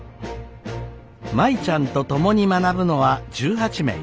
舞ちゃんと共に学ぶのは１８名。